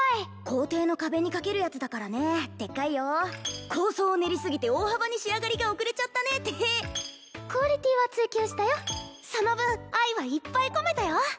校庭の壁にかけるやつだからねでっかいよ構想を練りすぎて大幅に仕上がりが遅れちゃったねてへっクオリティーは追求したよその分愛はいっぱい込めたよ